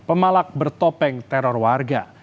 pemalak bertopeng teror warga